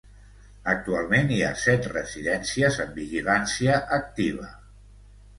Actualment hi ha set residències en vigilància activa.